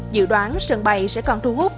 dự đoán sân bay sẽ còn thu hút